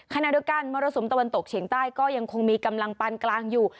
ขณะเดียวกันมรสุมตะวันตกเฉียงใต้ก็ยังคงมีกำลังปานกลางอยู่